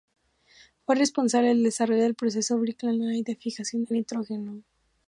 Fue responsable del desarrollo del proceso Birkeland-Eyde de fijación de nitrógeno.